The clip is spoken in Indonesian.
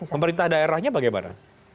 pemerintah daerahnya bagaimana